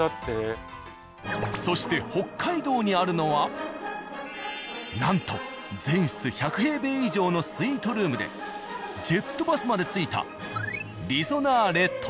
そして北海道にあるのはなんと全室１００平米以上のスイートルームでジェットバスまで付いた。